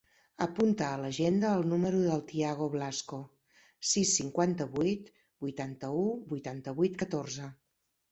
Apunta a l'agenda el número del Tiago Blasco: sis, cinquanta-vuit, vuitanta-u, vuitanta-vuit, catorze.